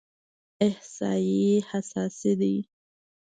احصایې حساسې دي.